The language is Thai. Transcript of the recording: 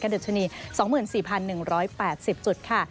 ดัชนี๒๔๑๘๐จุดค่ะ